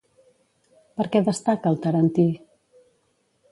Per què destaca el tarentí?